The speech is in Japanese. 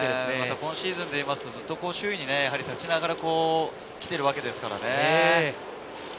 今シーズンはずっと首位に立ちながら来ているわけですからね。